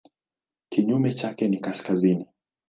Kinyume chake ni kaskazini.